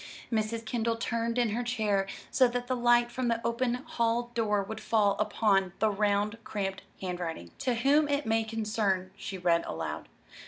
Mrs. Kendall turned in her chair so that the light from the open hall door would fall upon the round, cramped handwriting. "'To whom it may concern,'" she read aloud.